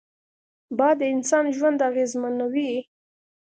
باد د انسان ژوند اغېزمنوي